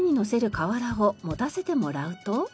瓦を持たせてもらうと。